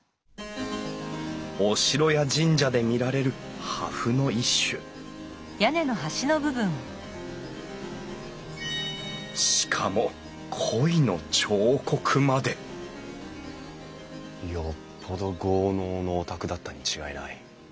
お城や神社で見られる破風の一種しかも鯉の彫刻までよっぽど豪農のお宅だったに違いない。